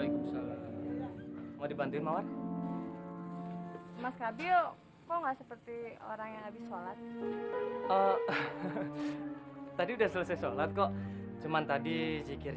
katanya mau berumah tangan